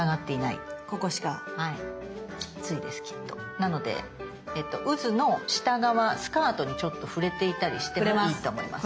なのでうずの下側スカートにちょっと触れていたりしてもいいと思います。